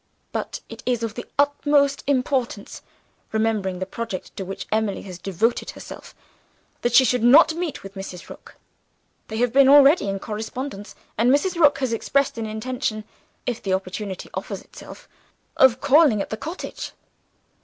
But it is of the utmost importance, remembering the project to which Emily has devoted herself, that she should not meet with Mrs. Rook. They have been already in correspondence; and Mrs. Rook has expressed an intention (if the opportunity offers itself) of calling at the cottage.